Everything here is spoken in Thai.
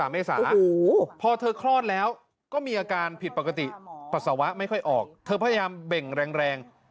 พอเธอคลอดแล้วก็มีอาการผิดปกติปัสสาวะไม่ค่อยออกเธอพยายามเบ่งแรง